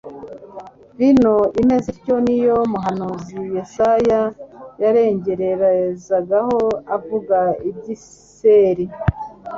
Vino imeze ityo niyo umuhanuzi Yesaya yarengererezagaho avuga iby'iseri,